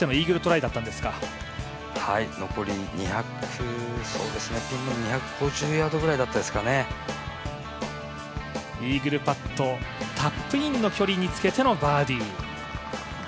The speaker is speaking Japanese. イーグルパット、タップインの距離につけてのバーディー。